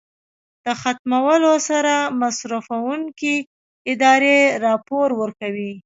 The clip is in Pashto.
د ختمولو سره مصرفوونکې ادارې راپور ورکوي.